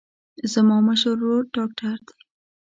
زما مشر ورور ډاکتر دی.